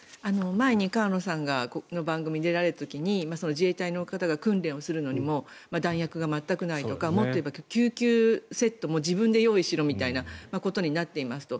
前に河野さんが番組に出られた時に自衛隊の方が訓練をするのにも弾薬が全くないとかもっと言えば救急セットも自分で用意しろということになっていますと。